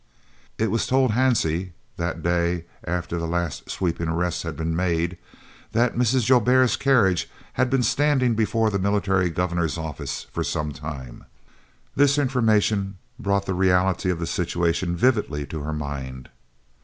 It was told Hansie, the day after the last sweeping arrests had been made, that Mrs. Joubert's carriage had been standing before the Military Governor's office for some time. This information brought the reality of the situation vividly to her mind.